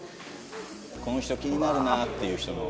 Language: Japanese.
この人気になるなっていう人の。